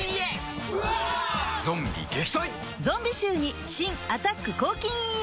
ゾンビ臭に新「アタック抗菌ＥＸ」